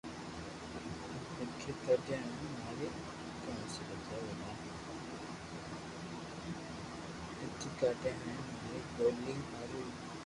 لکي ڪاڌيا ھي ھين ماري ڀولي ھارو